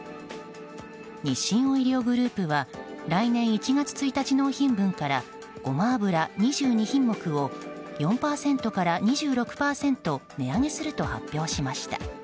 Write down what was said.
日清オイリオグループは来年１月１日納品分からごま油２２品目を４％から２６％値上げすると発表しました。